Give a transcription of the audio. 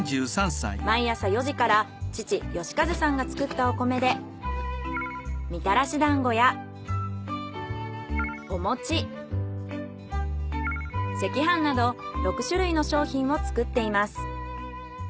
毎朝４時から父芳一さんが作ったお米でみたらし団子やおもち赤飯など６種類の商品を作っています。